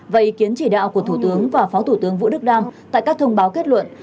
và ý kiến chỉ đạo của thủ tướng và phó thủ tướng vũ đức đam tại các thông báo kết luận